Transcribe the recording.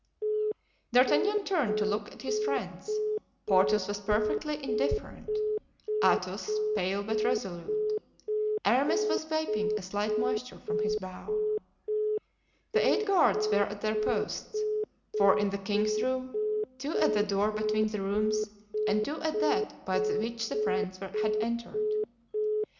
D'Artagnan turned to look at his friends. Porthos was perfectly indifferent; Athos, pale, but resolute; Aramis was wiping a slight moisture from his brow. The eight guards were at their posts. Four in the king's room, two at the door between the rooms and two at that by which the friends had entered.